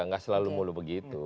enggak selalu mulu begitu